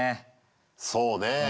そうねぇ。